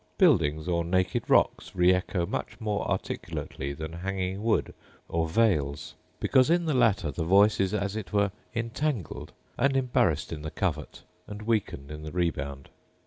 Buildings, or naked rocks, re echo much more articulately than hanging wood or vales; because in the latter the voice is as it were entangled, and embarrassed in the covert, and weakened in the rebound.